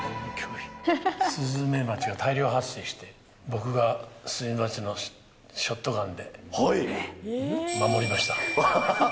スズメバチが大量発生して、僕が、スズメバチを、ショットガンで守りました。